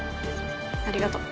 ありがとう。